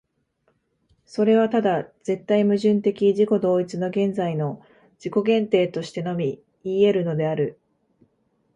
それはただ絶対矛盾的自己同一の現在の自己限定としてのみいい得るのである。